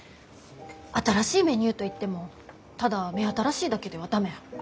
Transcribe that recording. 新しいメニューといってもただ目新しいだけでは駄目。